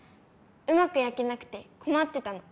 うまくやけなくてこまってたの。